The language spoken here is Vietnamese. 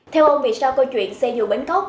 theo ông vị sao câu chuyện xe dù bến cốt